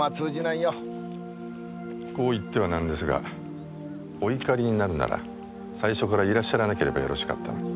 こう言ってはなんですがお怒りになるなら最初からいらっしゃらなければよろしかったのに。